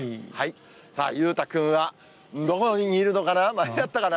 裕太君はどこにいるのかな？